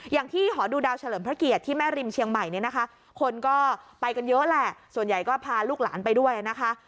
อย่างที่หอดูดาวเฉลิมพระเกียรติที่แม่ริมเชียงใหม่เนี่ยนะคะคนก็ไปกันเยอะแหละส่วนใหญ่ก็พาลูกหลานไปด้วยนะคะ